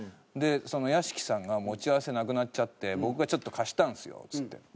「で屋敷さんが持ち合わせなくなっちゃって僕がちょっと貸したんですよ」っつって。